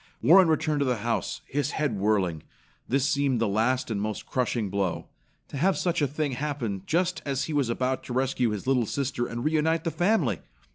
Warren returned to the house, his head whirling. This seemed the last and most crushing blow. To have such a thing happen just as he was about to rescue his little sister and reunite the family!